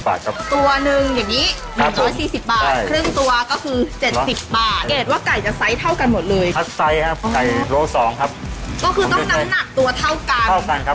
ไข่ครับไข่โลสองครับก็คือต้องน้ำหนักตัวเท่ากันเท่ากันครับ